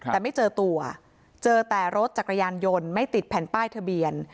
แต่ไม่เจอตัวเจอแต่รถจักรยานยนต์ไม่ติดแผ่นป้ายทะเบียน